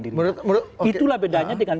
diri itulah bedanya dengan